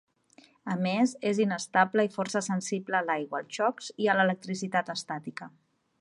A més, és inestable i força sensible a l'aigua, als xocs i a l'electricitat estàtica.